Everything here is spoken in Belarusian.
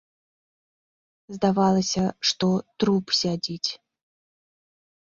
Здавалася, што труп сядзіць.